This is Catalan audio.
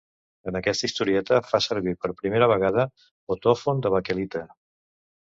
En aquesta historieta fa servir per primera vegada otòfon de baquelita.